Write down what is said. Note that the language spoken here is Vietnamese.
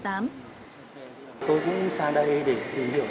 tôi cũng sang đây để tìm hiểu